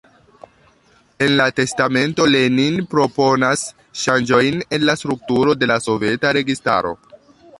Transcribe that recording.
En la testamento, Lenin proponas ŝanĝojn en la strukturo de la soveta registaro.